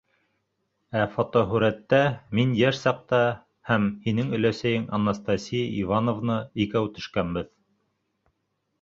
— Ә фотоһүрәттә мин йәш саҡта һәм һинең өләсәйең Анастасия Ивановна икәү төшкәнбеҙ.